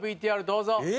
ＶＴＲどうぞ。